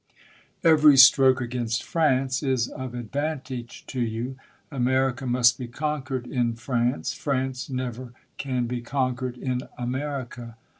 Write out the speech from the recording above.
Every stroke against France is of advantage to you : America must be conquered in France ; Fra.nce never can be conquered in America.